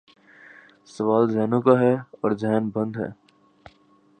سوال ذہنوں کا ہے اور ذہن بند ہیں۔